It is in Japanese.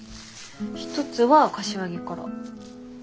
一つは柏木から。